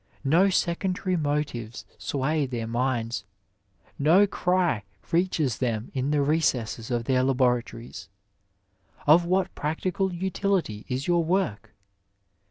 No secondary motives sway their minds, no cry reaches them in the recesses of their laboratories, " of what practical utility b your work